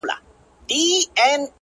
ته مي کله هېره کړې يې،